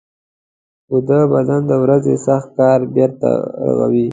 ویده بدن د ورځې سخت کار بېرته رغوي